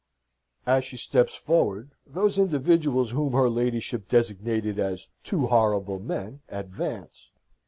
As she steps forward, those individuals whom her ladyship designated as two horrible men, advance.